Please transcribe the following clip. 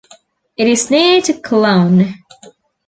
It is near to Clowne.